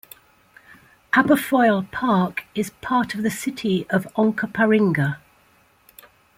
Aberfoyle Park is part of the City of Onkaparinga.